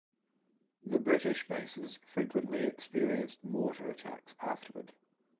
The British bases frequently experienced mortar attacks afterward.